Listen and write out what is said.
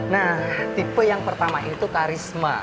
nah tipe yang pertama itu karisma